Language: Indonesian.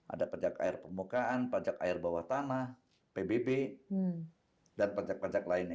ada pajak air permukaan pajak air bawah tanah pbb dan pajak pajak lainnya